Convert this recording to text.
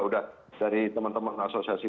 udah dari teman teman asosiasi